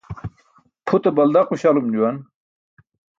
Pʰute balda quśalum juwan.